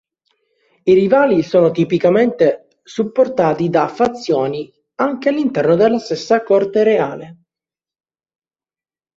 I rivali sono tipicamente supportati da fazioni anche all'interno della stessa corte reale.